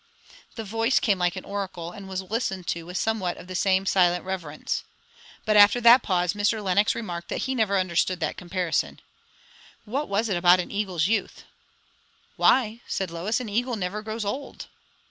'" The voice came like an oracle, and was listened to with somewhat of the same silent reverence. But after that pause Mr. Lenox remarked that he never understood that comparison. What was it about an eagle's youth? "Why," said Lois, "an eagle never grows old!"